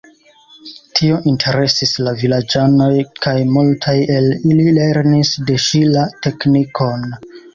Tio interesis la vilaĝanojn, kaj multaj el ili lernis de ŝi la teknikon.